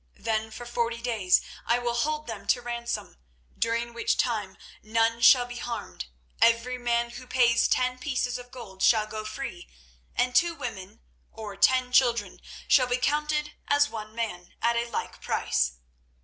Then for forty days I will hold them to ransom, during which time none shall be harmed. Every man who pays ten pieces of gold shall go free, and two women or ten children shall be counted as one man at a like price.